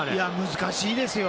難しいですよ。